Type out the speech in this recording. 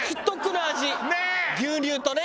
牛乳とね。